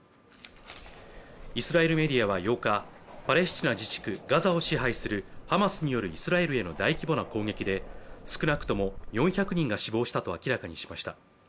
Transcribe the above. イスラエルメディアは８日パレスチナ自治区ガザを支配するハマスによるイスラエルへの大規模な攻撃で少なくとも４００人が死亡したと明らかにしました